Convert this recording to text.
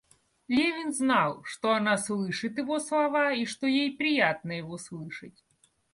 Левин знал, что она слышит его слова и что ей приятно его слышать.